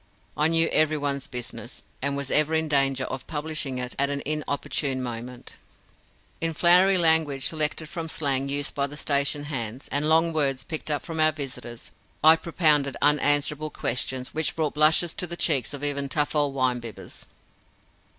I knew everyone's business, and was ever in danger of publishing it at an inopportune moment. In flowery language, selected from slang used by the station hands, and long words picked up from our visitors, I propounded unanswerable questions which brought blushes to the cheeks of even tough old wine bibbers.